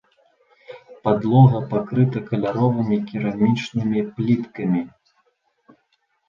Падлога пакрыта каляровымі керамічнымі пліткамі.